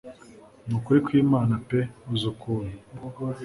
nukuri kwimana pe uzi ukuntu